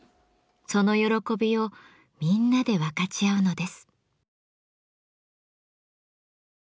その喜びをみんなで分かち合うのです。